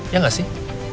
ya gak sih